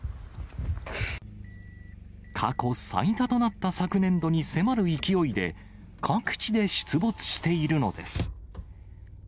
過去最多となった昨年度に迫る勢いで、各地で出没しているのです。